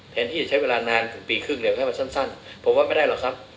แทนที่จะใช้เวลานานถึงปีครึ่งเดี๋ยวให้มันสั้นผมว่าไม่ได้หรอกครับ